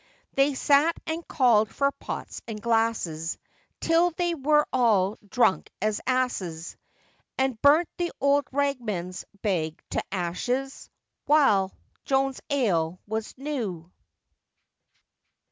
They sat and called for pots and glasses, Till they were all drunk as asses, And burnt the old ragman's bag to ashes, While Joan's ale was new.